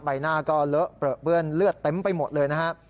ใบหน้าก็เลอะเปลือเปื้อนเลือดเต็มไปหมดเลยนะครับ